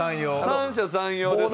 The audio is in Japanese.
三者三様です。